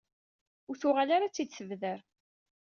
Ur tuɣal ara ad t-id-tebder.